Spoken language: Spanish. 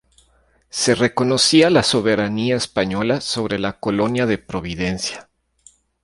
Se reconocía la soberanía española sobre la colonia de Providencia.